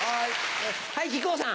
はい木久扇さん。